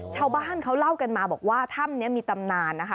ชาวบ้านเขาเล่ากันมาบอกว่าถ้ำนี้มีตำนานนะคะ